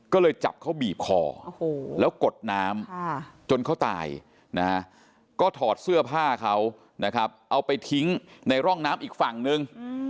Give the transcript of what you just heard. ก็เลยจับเขาบีบคอแล้วกดน้ำจนเขาตายนะฮะก็ถอดเสื้อผ้าเขานะครับเอาไปทิ้งในร่องน้ำอีกฝั่งนึง